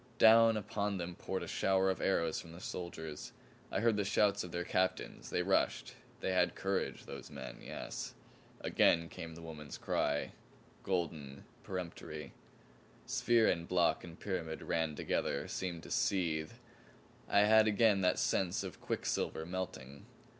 Down upon them poured a shower of arrows from the soldiers. I heard the shouts of their captains; they rushed. They had courage those men yes! Again came the woman's cry golden, peremptory. Sphere and block and pyramid ran together, seemed to seethe. I had again that sense of a quicksilver melting.